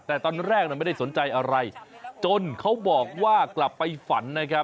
แต่ตอนแรกไม่ได้สนใจอะไรจนเขาบอกว่ากลับไปฝันนะครับ